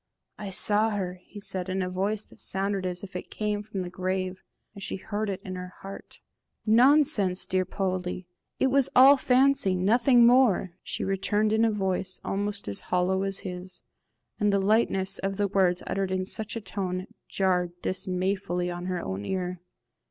"I saw her!" he said, in a voice that sounded as if it came from the grave, and she heard it in her heart. "Nonsense, dear Poldie! it was all fancy nothing more," she returned, in a voice almost as hollow as his; and the lightness of the words uttered in such a tone jarred dismayfully on her own ear.